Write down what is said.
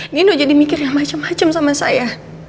nih udah jadi mikir yang macem macem sama saya